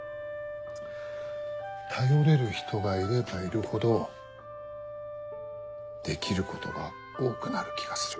頼れる人がいればいるほどできることが多くなる気がする。